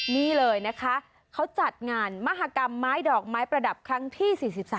นี่เลยนะคะเขาจัดงานมหากรรมไม้ดอกไม้ประดับครั้งที่๔๓